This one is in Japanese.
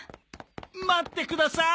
待ってください！